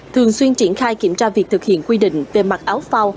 thường xuyên triển khai kiểm tra việc thực hiện quy định về mặt áo phao